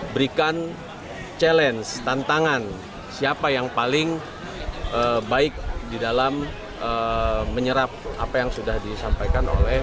berikan challenge tantangan siapa yang paling baik di dalam menyerap apa yang sudah disampaikan oleh